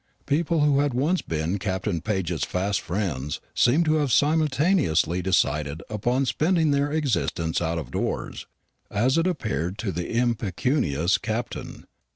People who had once been Captain Paget's fast friends seemed to have simultaneously decided upon spending their existence out of doors, as it appeared to the impecunious Captain.